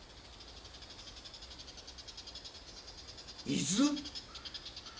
伊豆？